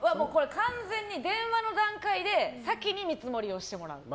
完全に電話の段階で先に見積もりをしてもらう。